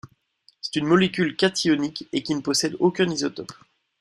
C'est une molécule cationique et qui ne possède aucun isotope.